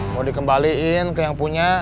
mau dikembaliin ke yang punya